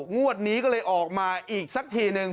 งวดนี้ก็เลยออกมาอีกสักทีนึง